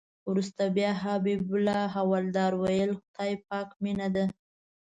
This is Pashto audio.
وروسته بیا حبیب حوالدار ویل خدای پاک مینه ده.